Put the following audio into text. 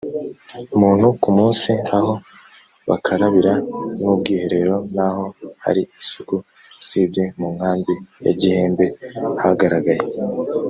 muntu ku munsi aho bakarabira n ubwiherero naho hari isuku usibye mu nkambi ya gihembe hagaragaye